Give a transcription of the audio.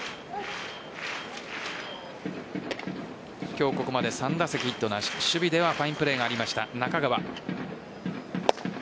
今日ここまで３打席ヒットなし守備ではファインプレーがありました中川。